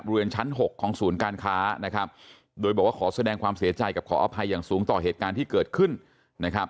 บริเวณชั้นหกของศูนย์การค้านะครับโดยบอกว่าขอแสดงความเสียใจกับขออภัยอย่างสูงต่อเหตุการณ์ที่เกิดขึ้นนะครับ